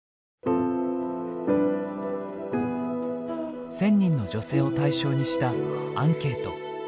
１，０００人の女性を対象にしたアンケート。